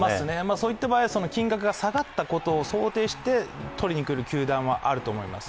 そういった場合は金額が下がったことを想定して取りに来る球団はあると思います。